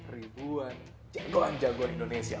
ribuan jagoan jagoan indonesia